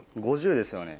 ５０ですよね？